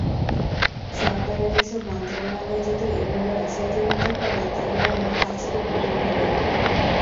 সরকারের এসব মন্ত্রণালয় যদি এভাবে অসহযোগিতা করে, তাহলে আমরা কাজ করব কীভাবে।